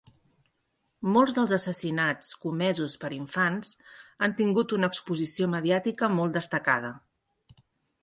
Molts dels assassinats comesos per infants han tingut una exposició mediàtica molt destacada.